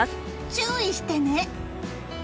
注意してね！